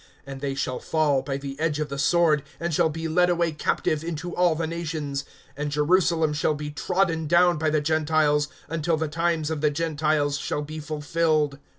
(24)And they shall fall by the edge of the sword, and shall be led away captive into all the nations; and Jerusalem shall be trodden down by the Gentiles, until the times of the Gentiles shall be fulfilled.